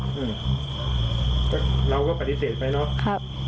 เราก็ปฏิเสธไปเนอะครับ